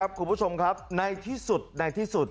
คุณผู้ชมครับในที่สุดในที่สุด